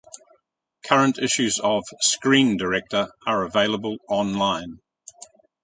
Current issues of "Screen Director" are available online.